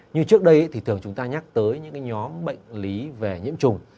như trước đây thì thường chúng ta nhắc tới những nhóm bệnh lý về nhiễm trùng